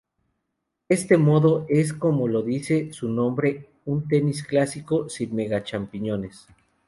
Este modo es como lo dice su nombre, un tenis clásico, sin Mega Champiñones.